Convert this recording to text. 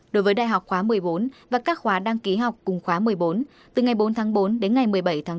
đối với đại học khóa một mươi bốn và các khóa đăng ký học cùng khóa một mươi bốn từ ngày bốn tháng bốn đến ngày một mươi bảy tháng bốn